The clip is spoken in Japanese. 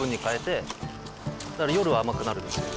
だから夜は甘くなるんですよ。